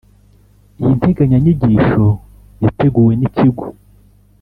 Iyi nteganyanyigisho yateguwe n’Ikigo